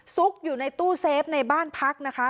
ซุกอยู่ในตู้เซฟในบ้านพักนะคะ